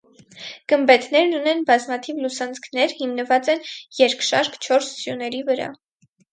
Գմբեթներն ունեն բազմաթիվ լուսանցքներ, հիմնված են երկշարք չորս սյուների վրա։